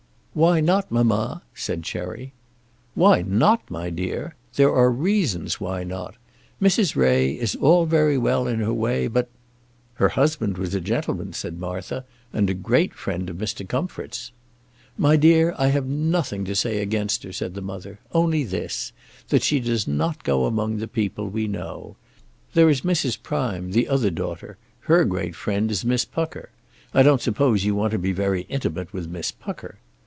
"Why not, mamma?" said Cherry. "Why not, my dear! There are reasons why not. Mrs. Ray is very well in her way, but " "Her husband was a gentleman," said Martha, "and a great friend of Mr. Comfort's." "My dear, I have nothing to say against her," said the mother, "only this; that she does not go among the people we know. There is Mrs. Prime, the other daughter; her great friend is Miss Pucker. I don't suppose you want to be very intimate with Miss Pucker."